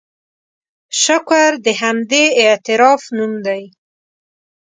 شکر د همدې اعتراف نوم دی.